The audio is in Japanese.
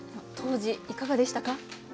当時いかがでしたか？